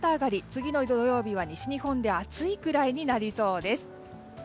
次の土曜日は西日本で暑いくらいになりそうです。